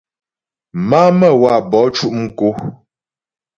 Má'a Məwabo cʉ' mkǒ.